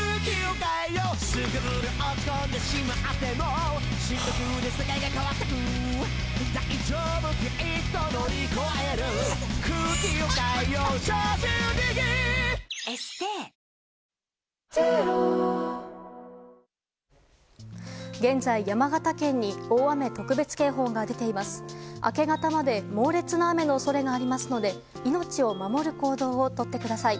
明け方まで猛烈な雨の恐れがありますので命を守る行動をとってください。